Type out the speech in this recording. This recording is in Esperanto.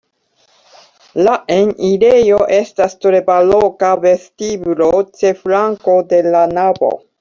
La enirejo estas tra baroka vestiblo ĉe flanko de la navo.